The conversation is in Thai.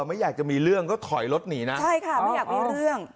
ไม่อยากจะมีเรื่องก็ถอยรถหนีนะใช่ค่ะไม่อยากมีเรื่อง